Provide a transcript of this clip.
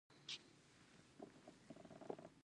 افغانستان د نمک له مخې پېژندل کېږي.